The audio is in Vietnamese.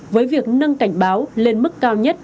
với việc nâng cảnh báo lên mức cao nhất